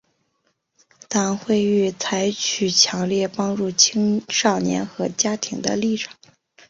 党会议采取强烈帮助青少年和家庭的立场。